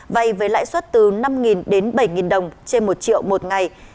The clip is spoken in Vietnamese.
vay với lãi suất từ năm đến bảy đồng trên một triệu một ngày